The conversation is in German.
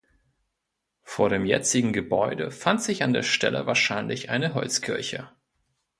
Vor dem jetzigen Gebäude fand sich an der Stelle wahrscheinlich eine Holzkirche.